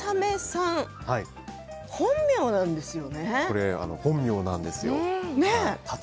これ、本名なんですよ。